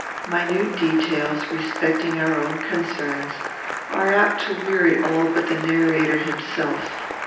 Minute details, respecting our own concerns, are apt to weary all but the narrator himself.